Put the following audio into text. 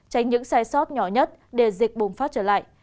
tránh những sai sót nhỏ nhất để dịch bùng phát trở lại